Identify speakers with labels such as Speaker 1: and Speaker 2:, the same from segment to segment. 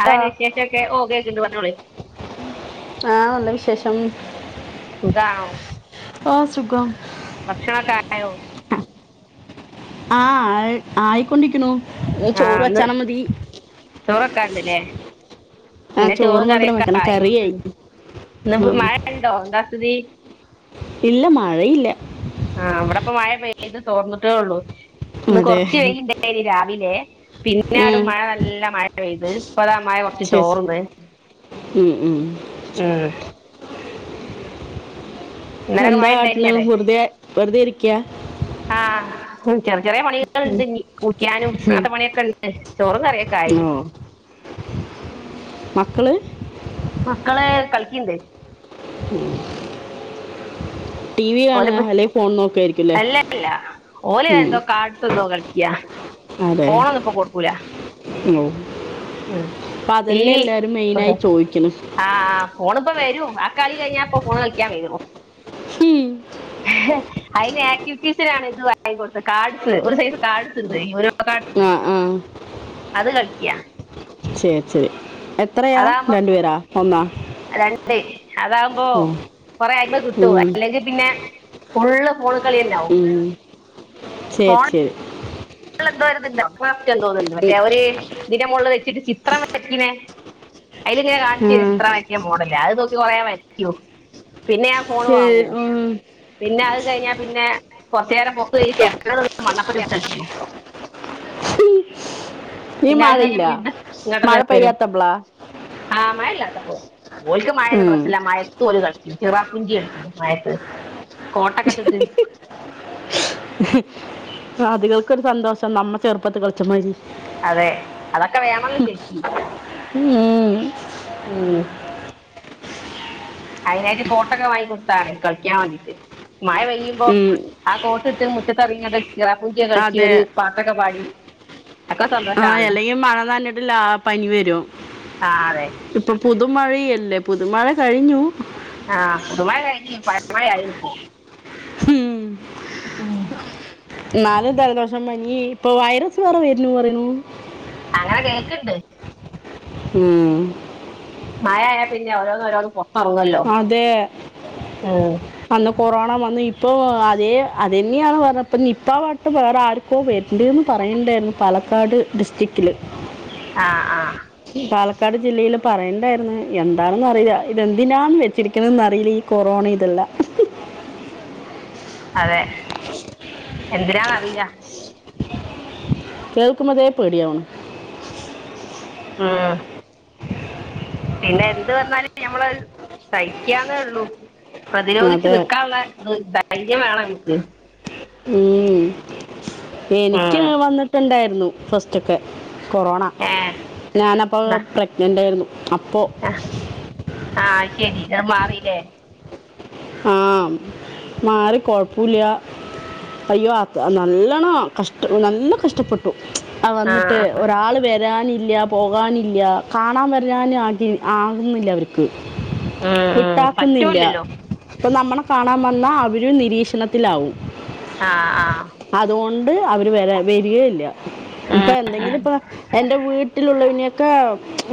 Speaker 1: ട്ടാ.
Speaker 2: അതാണു വിശേഷമൊക്കെ ഓ കേൾക്കുണ്ട് പറഞ്ഞോളിൻ
Speaker 1: ആ നല്ല വിശേഷം
Speaker 2: സുഖാണോ
Speaker 1: ആ സുഖം
Speaker 2: ഭക്ഷണൊക്കെ ആയോ
Speaker 1: ആ ആയി ആയിക്കൊണ്ടിരിക്കുന്നു
Speaker 2: ആ അന്ന് ചോറൊക്കെ ഉണ്ട് അല്ലേ
Speaker 1: ആ
Speaker 2: എന്റെ
Speaker 1: ചോറ്
Speaker 2: ചോറും
Speaker 1: മാത്രം വെക്കണം
Speaker 2: കറിയൊക്കെയായി
Speaker 1: കറിയായി
Speaker 2: ഇന്ന്
Speaker 1: ഉം.
Speaker 2: മഴ ഉണ്ടോ എന്താ സ്തിഥി
Speaker 1: ഇല്ല മഴയില്ല
Speaker 2: ആ അവിടപ്പ മഴ പെയ്ത് തോർന്നിട്ടേയുള്ളു ഇന്ന്
Speaker 1: അതെ
Speaker 2: കൊറച്ച് വെയിലുണ്ടായിരുന്നു രാവിലെ പിന്നടും
Speaker 1: ഉം.
Speaker 2: മഴ നല്ല മഴ പെയ്തു ഇപ്പതാ മഴ കുറച്ചു
Speaker 1: ശരി
Speaker 2: തോർന്നു
Speaker 1: ഉം
Speaker 2: [unintelligible] ഇന്നലൊക്കെ
Speaker 1: എന്താ
Speaker 2: മഴ ഇണ്ടായിനി
Speaker 1: കാട്ടണ്
Speaker 2: ആടെ
Speaker 1: വെറുതെ വെറുതെ ഇരിക്ക
Speaker 2: ആഹ് ചെറിയ ചെറിയ പണികളുണ്ട് കൂട്ടാനും അങ്ങനത്തെ പണിയൊക്കെ ഉണ്ട് ചോറും കറിയൊക്കായി
Speaker 1: ഓ ക്കള്?
Speaker 2: മക്കളെ കളിക്കണ്ട്.
Speaker 1: [inaudible]
Speaker 2: ഓല് [unintelligible]
Speaker 1: അല്ലെങ്കിൽ ഫോൺ നോക്കുമായിരിക്കും അല്ലേ
Speaker 2: അല്ലല്ല ഓല്
Speaker 1: ഉം.
Speaker 2: എന്തോ കാഡ്സ് എന്തോ കളി യാ
Speaker 1: അതെ
Speaker 2: പോണൊന്നും ഇപ്പൊ കൊട്ക്കൂല
Speaker 1: ഇപ്പ അതെല്ലേ എല്ലാരും മെയിന ആയി ചോയിക്ക്ണ്.
Speaker 2: ഇപ്പൊ വെരും ആ കളി കഴിഞ്ഞാപ്പൊ ഫോണ് കളിക്കാൻ വെരും.
Speaker 1: മ്
Speaker 2: ഹെ അയിന് ആക്ടിവിറ്റീസിനാണ് ഇത് വാങ്ങി കൊട്ത്തെ കാർഡ്സ് ഒരു സൈസ് കാർഡ്സ് ഇണ്ട്. ഈ ഒരു
Speaker 1: ആ ആ
Speaker 2: അത് കളിക്കിയാ
Speaker 1: ശെരി ശെരി
Speaker 2: അതാവുമ്പോ രണ്ട് അതാവുമ്പോ
Speaker 1: ഓ
Speaker 2: കൊറെ അയ്മ കിട്ടും.
Speaker 1: ഉം,
Speaker 2: അല്ലെങ്കി പിന്നെ ഫുള്ള് ഫോണ് കളിന്നാവും.
Speaker 1: ശെരി ശെരി
Speaker 2: ണ്ട് വര്ന്ന്ണ്ട്. [unintelligible] റ്റം തോന്ന്ണ്ട് മറ്റേ ഒര് ഇതിന്റെ മോള്ല് വെച്ചിട്ട് ചിത്രം വരക്ക്ണെ അയിലിങ്ങനെ കാണിച്ചരും
Speaker 1: ആ,
Speaker 2: ചിത്രവര്ക്ക്ണ മോഡല് അഹ് നോക്കി കൊറേ വര്ക്കും പിന്നെ ഞാൻ ഫോണ്
Speaker 1: ശരി
Speaker 2: വാങ്ങു
Speaker 1: ഉം.
Speaker 2: പിന്നെ അഹ് കയ്ഞ്ഞാ പിന്നെ കൊർചേരം [unintelligible] മണ്ണപ്പം ചുട്ടൾച്ച്
Speaker 1: ഈ
Speaker 2: പിന്നെ അത് കഴിഞ്ഞ്
Speaker 1: മഴയിലാ
Speaker 2: വീണ്ടും ഇങ്ങോട്ട് തന്നെ
Speaker 1: മഴ
Speaker 2: വരും
Speaker 1: പെയ്യാത്തപ്പളാ
Speaker 2: ആ മഴ ഇല്ലാത്തപ്പോ ഓൽക്ക് മഴന്നും
Speaker 1: ഉം.
Speaker 2: പ്രശ്നല്ല മഴത്ത് ഓല് കൾച്ചും ചിറാപ്പുഞ്ചി കളിക്കും മഴത്ത് കോട്ടക്ക്ട്ട്ട്ട്
Speaker 1: അതികൾക്കൊരു സന്തോഷം നമ്മ ചെർപ്പത്ത് കളിച്ച മാതിരി
Speaker 2: അതെ അതൊക്കെ വേണംന്ന് ശര്ക്കി
Speaker 1: ഉം ഉം
Speaker 2: ഉം ഹ് അയിനായിട്ട് കോട്ടക്കെ വാങ്ങികൊട്ത്താണ് കളിക്കാൻ വേണ്ടീട്ട് മഴ പെയ്യുമ്പോ
Speaker 1: ഉം.
Speaker 2: ആ കോട്ട് ത് മുറ്റത്തെർങ്ങിങ്ങട്ട്
Speaker 1: അതെ.
Speaker 2: ഒക്കെ
Speaker 1: ആഹ്
Speaker 2: സന്തോഷമാണല്ലോ
Speaker 1: അല്ലെങ്കി മഴ നനഞ്ഞിട്ട് ലാ പനി വരും
Speaker 2: ആ അതെ
Speaker 1: ഇപ്പൊ പുതുമഴയ ല്ലെ പുതമഴ കഴിഞ്ഞു.
Speaker 2: ആഹ് പുതുമഴ കഴിഞ്ഞു പഴ മഴയായി ഇപ്പൊ.
Speaker 1: ഹിം
Speaker 2: ഉം
Speaker 1: എന്നാലും ജലദോഷം ഭംഗി ഇപ്പൊ വൈറസ് ഫീവറും വരണൂ പറയണു.
Speaker 2: അങ്ങനെ കേ‌ക്കിണ്ട്
Speaker 1: ഉം
Speaker 2: മായ ആയ പിന്ന ഓരോന്ന് ഓരോന്നും പോ
Speaker 1: അതെ
Speaker 2: ഉം.
Speaker 1: അന്ന് കൊറോണ വന്ന് ഇപ്പോ അതേ അത് തന്നെയാണ് പറഞ്ഞത് ഇപ്പം നിപ്പ പാട്ട് വേറെ ആർക്കോ വരണ്ട് എന്ന് പറയിട്ടുണ്ടായിരുന്നു പാലക്കാട് ഡിസ്ട്രിറ്റില്.
Speaker 2: ആഹ് ആഹ്
Speaker 1: ക്കാട് ജില്ലയിൽ പറയെണ്ടായിരുന്നു എന്താണെന്ന് അറയില്ല ഇതെ ന്തിനാണ് വെച്ചിരിക്കണതന്ന് അറിയില്ല ഈ കൊറോണേം ഇതെല്ലാം
Speaker 2: അതെ എന്തിനാന്ന് അറിയില്ല.
Speaker 1: കേൾക്കുമ്പോതേ പേടിയാവണ്.
Speaker 2: മ്മ് ആഹ്. പിന്നെ എന്ത് വന്നാല് ഞമ്മള് സഹിക്കാന്നേ ഉള്ളൂ. പ്രതിരോധിച്ച്
Speaker 1: അതെ
Speaker 2: നിക്കാനുള്ള ഇ ഇതായി. വേണം അൻക്ക്
Speaker 1: ഉം. എനിക്ക്
Speaker 2: ഉം
Speaker 1: വന്നിട്ടുണ്ടായിരു രുന്നു ഫസ്റ്റൊക്കെ കൊറോണ
Speaker 2: ഏ
Speaker 1: ഞാനപ്പോ
Speaker 2: ന്നാ,
Speaker 1: പ്രഗ്നന്റ് ആയിരുന്നു. അപ്പോൾ
Speaker 2: ആ ആഹ് ശരി മാറി. ല്ലേ?
Speaker 1: ആഹ് മാറി കൊഴപ്പൂല്ല അയ്യോ അ നല്ലണം കഷ നല്ല കഷ്ടപ്പെട്ടു. ആ വന്നിട്ട് ഒരാള് വരാന് ഇല്ല പോകാനില്ല കാണാൻ വരാനും ആകി ആകുന്നില്ല അവർക്ക്.
Speaker 2: ഉം ഉം
Speaker 1: വിട്ടാക്കുന്നില്ല.
Speaker 2: പറ്റൂലല്ലോ
Speaker 1: അപ്പൊ നമ്മളെ കാണാൻ വന്ന അവരു നിരീക്ഷണത്തിലാവും
Speaker 2: ആഹ് ആഹ്
Speaker 1: കൊണ്ട് അവര് വരാ വരികെ ഇല്ല ഇപ്പൊ
Speaker 2: ഉം
Speaker 1: എന്തെങ്കിലും ഇപ്പോ എന്റെ വീട്ടിലുള്ളതിനെ ഒക്ക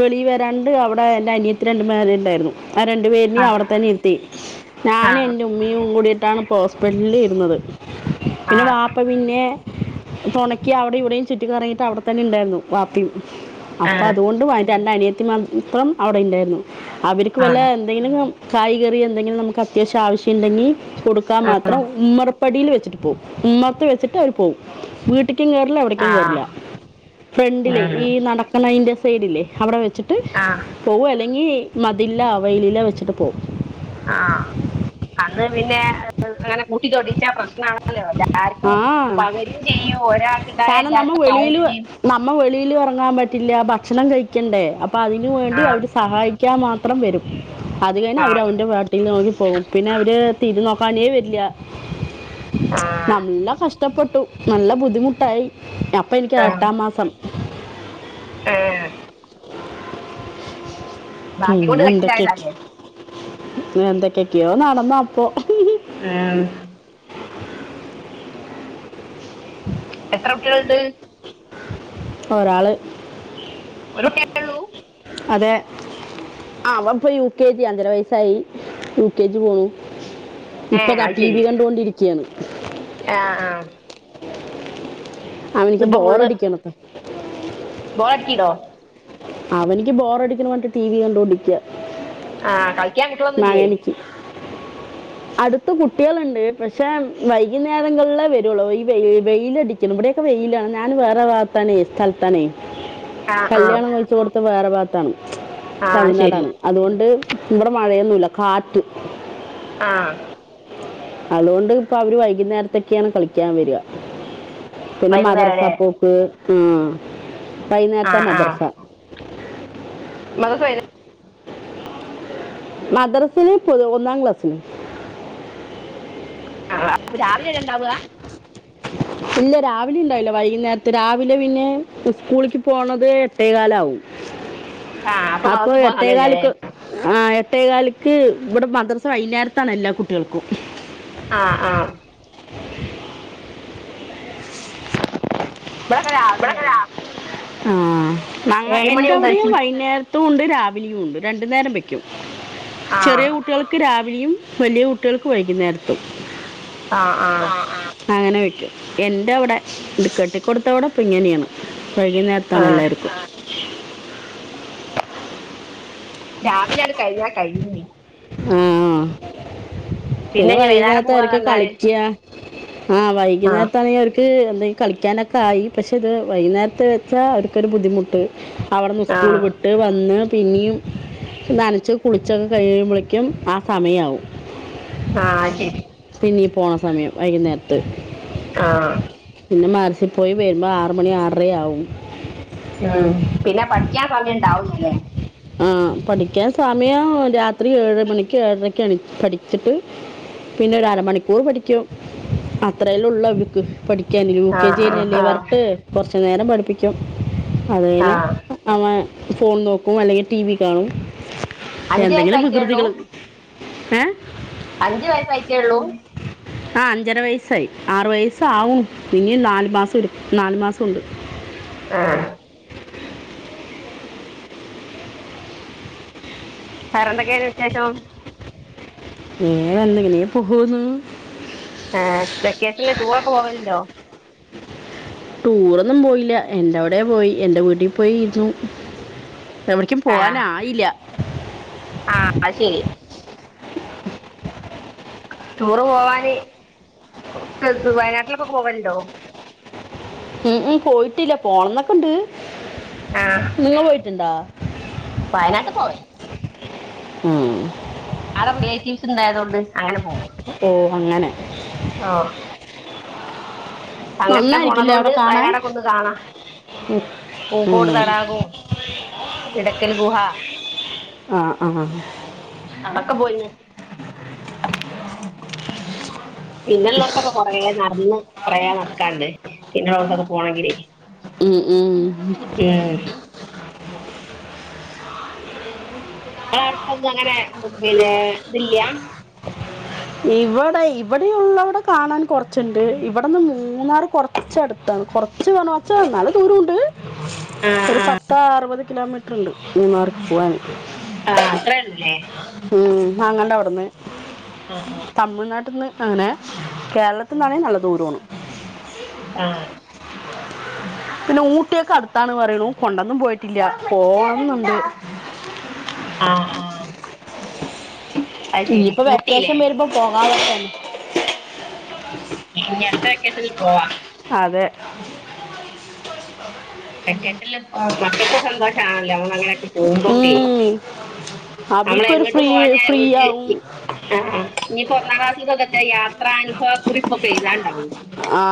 Speaker 1: വെളി വാ രാണ്ട് അവിടെ എന്റെ അനിയത്തി രണ്ട് മാര് ഉണ്ടായിരുന്നു ആ രണ്ടു പേര്നെ
Speaker 2: ആ
Speaker 1: അവിടെത്തന്നെ ഇരുത്തി
Speaker 2: ആ ആ
Speaker 1: ഞാനു എൻ്റുമ്മിയും കൂടിട്ടാണ് ഹോസ്സ്പിറ്റ്ലി ലി ഇര്ന്നത് പിന്നെ വാപ്പ പിന്നെ തൊണക്കി അവിടെ ഇവിടെയും ചുറ്റി കറങ്ങിയിട്ട് അവിടെ തന്നെയിണ്ടായിരുന്നു വാപ്പയും
Speaker 2: ആ
Speaker 1: അപ്പൊ അതുകൊണ്ട് വ രണ്ട അനിയത്തിമാർ മാത്രം അവിടെയിണ്ടായിരുന്നു അവരിക്ക്
Speaker 2: ആ
Speaker 1: വല്ലാ ന്തെങ്കിലും കായികറി എന്തെങ്കിലും നമുക്ക് അത്യാവശ്യ ആവശ്യുണ്ടെിൽ കൊടുക്കാൻ മാത്രം ഉമ്മറു പടിയിൽ വെച്ചിട്ട് പോവും ഉമ്മറത്ത് വെച്ചിട്ട് അവർ പോവും വീ ത്തിക്കും കേറില്ല
Speaker 2: ആ
Speaker 1: എവിടെക്കും
Speaker 2: ആ
Speaker 1: കേറില്ല ഫ്രണ്ടിലേ
Speaker 2: ഉം
Speaker 1: ഈ നടക്കണേൻ്റെ സൈഡില്ലേ അവിടെ വെ വച്ചിട്ട്
Speaker 2: ആഹ്
Speaker 1: പോവോഅല്ലെങ്കിൽ മതില്ലാ വെയ്ലീല വെച്ചിട്ട് പോവും
Speaker 2: ആ അന്ന് പിന്നെ [unintelligible] മുടി തൊടിച്ചാ പ്രശ്നമാണല്ലോ എല്ലാർക്കും
Speaker 1: ആ
Speaker 2: പകരും ചെയ്യും ഒരാൾക്കുണ്ടായൽ എല്ലാവർക്കും ആവോം ചെയ്യും
Speaker 1: വെളിലും എറങ്ങാൻ പറ്റില്ല ഭക്ഷണം കഴിക്കണ്ടേ അപ്പം അതിന് വേണ്ടി
Speaker 2: ആഹ്
Speaker 1: അവര് സഹായി പ്പ ക്കാൻ മാത്രം വരും അത് കഴിഞ്ഞ് അവര്
Speaker 2: ആഹ്
Speaker 1: അവന്റെ പാട്ടില് നോക്കി പോകും പിന്നെ അവര് തിരുന്ന് നോക്കാ പണിയെ വെരില്ല
Speaker 2: ആഹ്
Speaker 1: നല്ല കഷ്ടപ്പെട്ടു നല്ല ബുദ്ധിമുട്ടായി ഞമ് ഇപ്പം എനിക്ക്
Speaker 2: ആഹ്
Speaker 1: എട്ടാംമാസം
Speaker 2: ഏഹ് ഭാഗ്യം കൊണ്ട്
Speaker 1: പിന്നെ എന്തൊക്കെ ആക്കി
Speaker 2: കഴിച്ചിലായതാല്ലേ
Speaker 1: എന്തൊക്കെ ക്കെയോ നടന്നപ്പോ
Speaker 2: ആഹ് മക്കളുണ്ട്?
Speaker 1: ഒരാള്
Speaker 2: ഒരു കുട്ടിയേ ഉള്ളൂ
Speaker 1: അതെ അവൻ ഇപ്പ യു കെ ജി അഞ്ചര വയസായി യു കെജി പോണു
Speaker 2: ഏഹ്
Speaker 1: ഇപ്പൊതാ
Speaker 2: അത്
Speaker 1: ടി വി
Speaker 2: ശരി
Speaker 1: കണ്ടുകൊണ്ടിരിക്കയാണ്
Speaker 2: ആഹ് ആഹ്
Speaker 1: അവനിക്ക്
Speaker 2: ഇന്നിപ്പോ ഫുള്ള്
Speaker 1: ബോറടിക്ക്നോക്കെ
Speaker 2: ബോറടിക്കീണോ
Speaker 1: അവനിക്ക് ബോറടിക്ക്നോണ്ട് ടി വി കണ്ടോണ്ടിക്യാ
Speaker 2: ആഹ് കൈ റ്റായിട്ട് ഒന്നുല്ലേ
Speaker 1: അടുത്ത് കുട്ടികളുണ്ട് പക്ഷെ വൈയ്കിന്നേരങ്ങളിലേ വരുള്ളൂ ഈ വെ വെയിലടിക്കും ഇവിടെയൊഒക്കെ വെയിലാണ് ഞാൻ വേറെ ഭാഗത്താനേ സ്ഥലത്തനേ
Speaker 2: ആഹ് ആഹ്
Speaker 1: കല്യാണം കഴിച്ച് കൊടുത്ത് വേറെ ഭാഗ താണ്
Speaker 2: ആഹ് ശരി
Speaker 1: തമിഴ്നാടാണ് അതുകൊണ്ട് ഇവിടെ മഴയൊന്നുല്ല കാറ്റ്
Speaker 2: ആഹ്
Speaker 1: അതുകൊണ്ട് ഇപ്പൊ അവര് വൈകുന്നേരത്തൊക്കെയാണ് കളിക്കാ വരിക പിന്നെ മദറസാ
Speaker 2: വൈകുന്നേരല്ലേ
Speaker 1: പോക്ക് ഉം വൈുന്നേരത്ത മദർസ
Speaker 2: മദ്രസഒഴിവ്
Speaker 1: മദ്റസില് പ് ഒന്നാം ക്ലാസില്
Speaker 2: രാവിലെ അല്ലെ ഉണ്ടാവുകാ
Speaker 1: ഇല്ല രാവിലെ ഉണ്ടാവില്ല വൈകുന്നേരത്ത് രാവിലെ പിന്നെ സ്കൂള്ക്ക് പോണത് എട്ടേകാല് ആവും
Speaker 2: ആ
Speaker 1: അപ്പൊ
Speaker 2: മദ്രസ പോകാൻ സമയമില്ലല്ലേ
Speaker 1: എട്ടേകാല്ക്ക് ആ എട്ടേകാലിക്ക് ക്ക് ഇവിടെ മദർസ വൈകുന്നേരത്താണ് എല്ലാ കുട്ടികൾക്കും
Speaker 2: ആഹാ ആഹാ ഇവിടെക്കെ രാവിലെയാണ്
Speaker 1: ആഹാ ങ്ങ
Speaker 2: ഏഴ് മണി മുതൽ
Speaker 1: എന്റവിടെയും
Speaker 2: ചി-
Speaker 1: വൈകുന്നേര മുണ്ട് രാവിലെയും ഉണ്ട് രണ്ടു നേരം വയ്ക്കും
Speaker 2: ആ
Speaker 1: ചെറിയ കുട്ടികൾക്ക് രാവിലെയും വലിയ കുട്ടികൾക്ക് വൈകുന്നേരത്തും
Speaker 2: ആ ആ
Speaker 1: അങ്ങനെ വെയ് എന്റെ അവിടെ ഇടുക്കെട്ടിക്കൊടുത്തവിടെ ഇപ്പ ഇങ്ങനെയാണ്
Speaker 2: ആ
Speaker 1: വൈകുന്നേരത്താണ് എല്ലാവർക്കും [inaudible]
Speaker 2: രാവിലെ അത് കഴിഞ്ഞാ കഴിഞ്ഞു
Speaker 1: ആഹ് ആഹ് പിന്നെ
Speaker 2: ഇനി വൈകുന്നേരം
Speaker 1: വൈകുന്നേരത്തെ
Speaker 2: പോകാന്ന്
Speaker 1: അവർക്ക്
Speaker 2: പറഞ്ഞാൽ
Speaker 1: കളിക്ക, ആഹ്
Speaker 2: ആ
Speaker 1: വൈകുന്നേരത്താണെങ്കി അവർക്ക് കളിക്കാനൊക്കെ ആയി പക്ഷെ ഇത് വൈകുന്നേരത്തെ വെച്ചാ അവർക്കൊരു ബുദ്ധിമുട്ട് അവിടെന്ന്
Speaker 2: ആ
Speaker 1: സ്കൂൾ വിട്ട് വന്ന് പിന്നെയും നനച്ച് കുളിച്ചൊക്കെ കഴിയുമ്പളേക്കും ആ സമയാവും
Speaker 2: ആ ശരി
Speaker 1: നീ പോണ സമയം വൈകുന്നേരത്ത്
Speaker 2: ആ
Speaker 1: പിന്നെ [unintelligible] പോയി വരുമ്പോൾ ആറ് മണി ആറരയാവും
Speaker 2: ഉം പിന്നെ പഠിക്കാൻ സമയം ഉണ്ടാവില്ല അല്ലേ
Speaker 1: ആ പഠിക്കാൻ സമയം രാത്രി ഏഴ് മണിക്ക് ഏഴരക്ക എണീ പഠിച്ചിട്ട് പിന്നെ ഒരു അരമണിക്കൂർ പഠിക്കും അത്രേയല്ലേ ഉള്ളൂ അവർക്ക് പഠി ക്കാൻ യു
Speaker 2: ആ
Speaker 1: കെ ജി
Speaker 2: ആ
Speaker 1: അല്ലേ
Speaker 2: ആ
Speaker 1: [unintelligible] കുറ നേരം പഠിപ്പിക്കും അത്
Speaker 2: ആ
Speaker 1: കഴിഞ്ഞ് അവ ഫോൺ നോക്കും അല്ലെങ്കിൽ ടി വി കാണും
Speaker 2: അഞ്ച്
Speaker 1: എന്തെങ്കിലും
Speaker 2: വയസ്സായിട്ടേ ഉള്ളൂ
Speaker 1: വികൃതികള് ഏ
Speaker 2: അഞ്ച് വയസ് ആയിട്ടേയുള്ളൂ
Speaker 1: ആ അഞ്ചര വയസ്സായി ആറ് വയസ്സാവും ഇനി നാലു മാസം എടു നാല് മാസം ഉണ്ട്
Speaker 2: ആ വേറെ എന്തൊക്കെയാണ് വിശേഷം
Speaker 1: ഒന്നുമില്ല ഇങ്ങനെ പോകുന്നു
Speaker 2: ഏ വെക്കേഷനില് ടൂറൊക്കെ പോവലുണ്ടോ
Speaker 1: ടൂറൊന്നും പോയില്ല എന്റെ അവിടെ പോയി എന്റെ വീട്ടിൽ പോയിരുന്നു എവിട്ക്കും
Speaker 2: ആ
Speaker 1: പോവാനായില്ല്യ
Speaker 2: ആ അത് ശെരി ടൂറ് പോവാന് വയനാട്ടിൽക്കെ പോവൽണ്ടോ
Speaker 1: ഉം ഉം പോയിട്ടില്ല പോണംന്നൊക്കെണ്ട് നിങ്ങ പോയി ട്ട്ണ്ടാ
Speaker 2: വയനാട്ട് പോവ
Speaker 1: ഉം
Speaker 2: ആടെ റിലേറ്റീവ്സ്ണ്ടായതോണ്ട് അങ്ങനെ പോവും
Speaker 1: ഓ അങ്ങനെ
Speaker 2: ആ അങ്ങനെ
Speaker 1: നന്നായിരിക്കില്ലേ
Speaker 2: പോണതോണ്ട്
Speaker 1: അവിടെ
Speaker 2: വയനാടൊക്കെ
Speaker 1: കാണാൻ
Speaker 2: ഒന്ന് കാണാ
Speaker 1: ഉം.
Speaker 2: പൂക്കോട് തടാകും ഇടക്കൽ ഗുഹ
Speaker 1: ആ ആ ഉം
Speaker 2: അടൊക്കെ പോയീന്ന് പിന്നെള്ളൊക്കെപ്പം കൊറേ നട്ന്ന് കൊറേ നട്ക്കാൻണ്ട് പിന്നള്ളോട്ത്തൊക്കെ പോണെങ്കിലെ
Speaker 1: ഉം
Speaker 2: ഉം ങ്ങളെ അട്ത്തൊന്നും അങ്ങനെ പിന്നെ തില്ല്യാ
Speaker 1: ഇവടെ ഇവടെയുള്ളെവിടെ കാണാൻ കൊർച്ച്ണ്ട് ഇവിടെന്ന് മൂന്നാർ കൊർച്ചട്ത്താണ് കൊർച്ച്ന്ന് പർഞ്ഞാ കൊർച്ച് ന്നാലും ദൂരൂണ്ട്
Speaker 2: ആ
Speaker 1: ഒരു
Speaker 2: ആ
Speaker 1: പത്താ അറുപത് കിലോമീ ട്ട്ണ്ട് മൂന്നാർക്ക് പോവാൻ
Speaker 2: ആ അത്രെയെള്ളുലേ
Speaker 1: മാങ്ങണ്ടവിട്ന്ന് തമിഴ്നാട്ടിൽന്ന് അങ്ങനെ കേരളത്തിൽന്നാണെ നല്ല ദൂരാണ്
Speaker 2: ആ
Speaker 1: പിന്നെ ഊട്ടിയൊക്കെ അടുത്താണ് പറയണൂ കൊണ്ടൊന്നും പോയിട്ടില്ല പോന്നുണ്ട്
Speaker 2: ആ ആ അത് ശരി
Speaker 1: ഇനിയിപ്പോ
Speaker 2: ഊട്ടിയില്ലേ
Speaker 1: വെക്കേഷൻ വരുമ്പോ പോകാൻ പറ്റ
Speaker 2: ഇനി അട്ത്ത വെക്കേഷന്‌ല് ഓഹ
Speaker 1: അതെ
Speaker 2: വെക്കേഷനിൽ മക്കൾക്ക് സന്തോഷാണല്ലോ അങ്ങനെയൊക്കെ പോകുമ്പോക്കെ നമ്മള്
Speaker 1: അവർക്കൊരു
Speaker 2: എങ്ങോട്ട്
Speaker 1: ഫ്രീ
Speaker 2: പോവഞ്ഞ
Speaker 1: ഫ്രീ
Speaker 2: ക്ക്
Speaker 1: ആവും
Speaker 2: ആ ഇനിപ ഒന്നാം ക്ലാസ്ക്കൊക്കെ യാത്ര പ്പ കുറിപ്പൊക്കെയതാണ്ട്
Speaker 1: ആ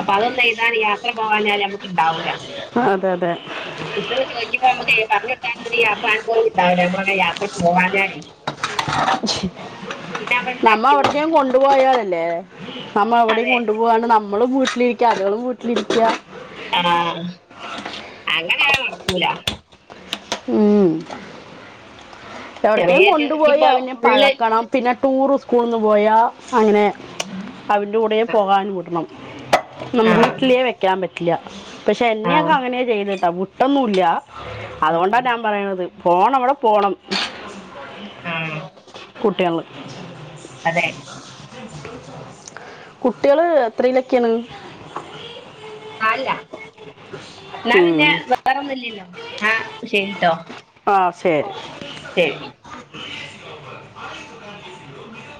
Speaker 2: അപ്പൊ അതൊന്നും എഴുതാൻ യാത്ര പോകാഞ്ഞ ഞമ്മക്ക് ഉണ്ടാവൂല്ല
Speaker 1: അതെ അതെ
Speaker 2: കുട്ടികള് ചോദിക്കുമ്പോ നമ്മുക്ക് പറഞ്ഞക്കാനൊ ഒരു യാത്രാനനുഭവം ഉണ്ടാവുല്ല നമ്മളങ്ങനെ യാത്ര പോവാഞ്ഞാല് നമ്മൾ
Speaker 1: നമ്മ
Speaker 2: ഉണ്ടാക്കി
Speaker 1: അവിടത്തെയും
Speaker 2: എഴുതേണ്ടിയിരുന്നു
Speaker 1: കൊണ്ടു പോയാലല്ലേ നമ്മ എവിടെയും
Speaker 2: അതെ
Speaker 1: കൊണ്ടു പോകണ്ട് നമ്മള് വി ട്ടിരിക്ക അളുകളും വീട്ടിലിരിക്ക
Speaker 2: ആഹ് അങ്ങനെ ഞാ ഒറക്കുലാ
Speaker 1: ഉം എവിടക്കേം
Speaker 2: ചെറിയ ചെ-
Speaker 1: കൊണ്ടുപോയി
Speaker 2: ഇനിയിപ്പോ
Speaker 1: അവനെ
Speaker 2: ഫുള്ള്
Speaker 1: പഴക്കണം പിന്നെ ടൂറ് സ്കൂള്ന്ന് പോയാ അങ്ങനെ അവൻ്റെ കൂടെയാ
Speaker 2: ആ
Speaker 1: പോകാൻ വിടണം
Speaker 2: ആ
Speaker 1: [unintelligible] വെക്കാൻ പറ്റും ട്ടില്ല പക്ഷെ
Speaker 2: ആ
Speaker 1: എന്നെയൊക്കെ അങ്ങനെയാ ചെയ്യ്തെട്ടോ വ് ട്ടൊന്നുല്യ അതുകൊണ്ടാ ഞാ പറയണത് പോണം നമ്മള് പോണം
Speaker 2: ആഹ
Speaker 1: ടെൽ [unintelligible]
Speaker 2: അതെ
Speaker 1: കുട്ടികള് എത്രയിലക്കെയാണ്
Speaker 2: ആല്ല എന്നാ
Speaker 1: ഉം.
Speaker 2: പിന്നെ വേറെൊന്നുംില്ല ആഹ ശരിട്ടോ
Speaker 1: ആഹ ശരി
Speaker 2: ശരി
Speaker 1: [unintelligible]